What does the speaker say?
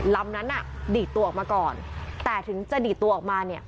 ลำนั้นน่ะดีดตัวออกมาก่อนแต่ถึงจะดีดตัวออกมาเนี่ย